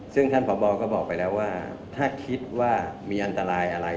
ซึ่งท่านพบก็บอกไปแล้วว่าถ้าคิดว่ามีอันตรายอะไร